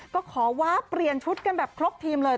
ก็ขอว้าเปลี่ยนชุดกันแบบครบทีมเลย